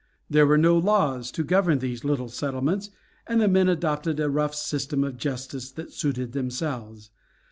There were no laws to govern these little settlements, and the men adopted a rough system of justice that suited themselves.